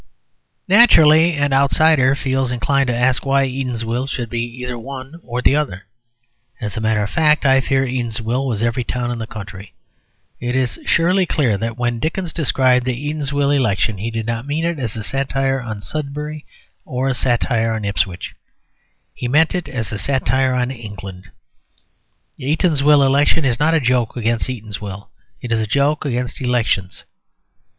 Naturally, an outsider feels inclined to ask why Eatanswill should be either one or the other. As a matter of fact, I fear Eatanswill was every town in the country. It is surely clear that when Dickens described the Eatanswill election he did not mean it as a satire on Sudbury or a satire on Ipswich; he meant it as a satire on England. The Eatanswill election is not a joke against Eatanswill; it is a joke against elections.